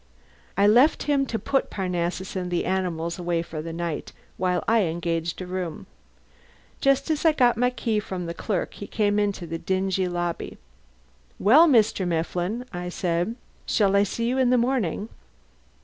I left him to put Parnassus and the animals away for the night, while I engaged a room. Just as I got my key from the clerk he came into the dingy lobby. "Well, Mr. Mifflin," I said. "Shall I see you in the morning?"